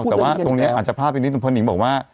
ไม่หรอกแต่ว่าตรงนี้อาจจะพลาดไปนิ้งพอนิ้งบอกว่า